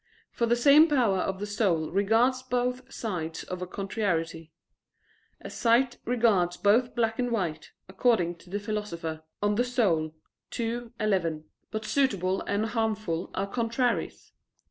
For the same power of the soul regards both sides of a contrariety, as sight regards both black and white, according to the Philosopher (De Anima ii, 11). But suitable and harmful are contraries.